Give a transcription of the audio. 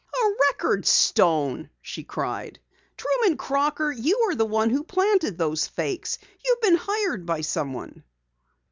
"A record stone!" she cried. "Truman Crocker, you are the one who planted those fakes! You've been hired by someone!"